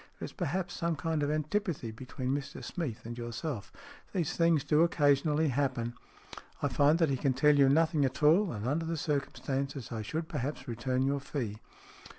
There is perhaps some kind of antipathy between Mr Smeath and yourself. These things do occasion ally happen. I find that he can tell you nothing at all, and under the circumstances, I should perhaps return your fee."